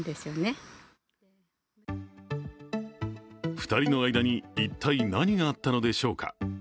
２人の間に一体何があったのでしょうか。